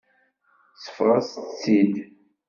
Seffɣet-tt-id.